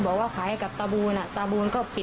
ความปลอดภัยของนายอภิรักษ์และครอบครัวด้วยซ้ำ